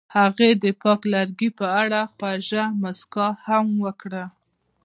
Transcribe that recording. هغې د پاک لرګی په اړه خوږه موسکا هم وکړه.